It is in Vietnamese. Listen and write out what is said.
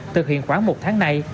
thực hiện khoảng một tháng này